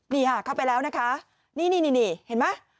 นี่ค่ะเข้าไปแล้วนะคะนี่นี่เห็นไหม